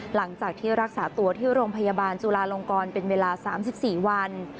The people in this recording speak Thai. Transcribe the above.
หลังจากที่รักษาตัวที่โรงพยาบาลจุลาลงกรเป็นเวลา๓๔วัน